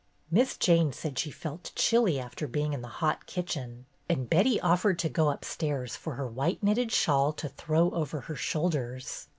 Miss Jane said she felt chilly after being in the hot kitchen, and Betty offered to go up stairs for her white knitted shawl to throw over her shoulders.